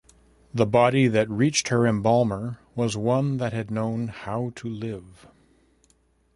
The body that reached her embalmer was one that had known how to live.